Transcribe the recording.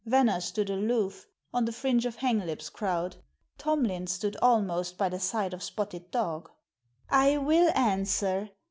Venner stood aloof, on the fringe of Hanglip's crowd; Tomlin stood almost by the side of Spotted Dog. "I will answer.